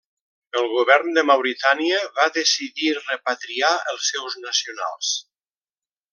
El govern de Mauritània va decidir repatriar els seus nacionals.